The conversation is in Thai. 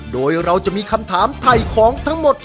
โดยเราจะมีคำถามถ่ายของทั้งหมด